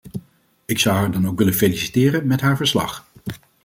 Ik zou haar dan ook willen feliciteren met haar verslag.